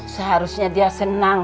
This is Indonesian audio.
seharusnya dia senang